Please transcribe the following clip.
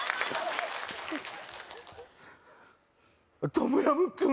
トムヤムクン